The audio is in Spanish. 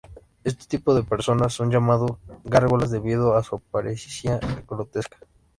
Este tipo de personas son llamados "gárgolas", debido a su apariencia grotesca.